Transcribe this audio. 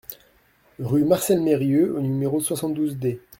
Rue Marcel Merieux au numéro soixante-douze D